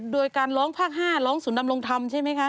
โดยการร้องภาค๕ร้องศูนย์ดำรงธรรมใช่ไหมคะ